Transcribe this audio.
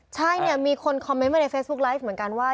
ใช่เนี่ยมีคนคอมเมนต์มาในเฟซบุ๊คไลฟ์เหมือนกันว่า